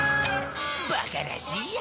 バカらしいや。